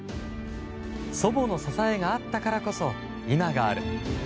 祖母の支えがあったからこそ今がある。